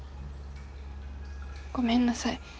ごめんなさい